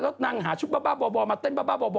แล้วนางหาชุดบ้าบ่อมาเต้นบ้าบ่อ